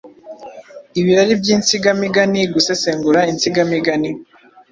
Ibirari by’insigamiganiGusesengura insigamigani